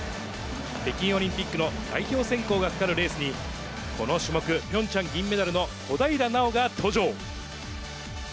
北京オリンピックの代表選考がかかるレースに、この種目、ピョンチャン銀メダルの小平奈緒が登場。